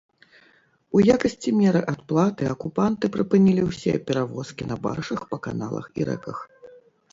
У якасці меры адплаты акупанты прыпынілі ўсе перавозкі на баржах па каналах і рэках.